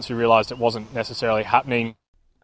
setelah itu ketika kami menyadari itu tidak terjadi